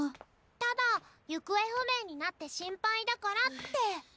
ただ行方不明になって心配だからって。